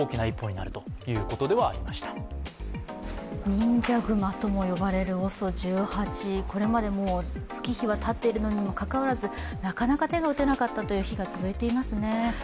忍者熊とも呼ばれるＯＳＯ１８、これまで月日がたっているのにもかかわらず、なかなか手が打てなかったという日が続いていますね。